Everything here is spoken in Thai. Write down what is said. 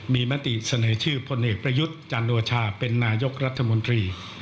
มีมติเสนอชื่อพลเอกประยุทธ์จันโอชาเป็นนายกรัฐมนตรี